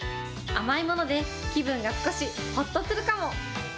甘いもので気分が少しほっとするかも。